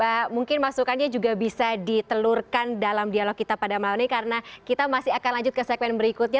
mbak mungkin masukannya juga bisa ditelurkan dalam dialog kita pada malam ini karena kita masih akan lanjut ke segmen berikutnya